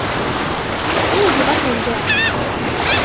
عندي بطن الجعة.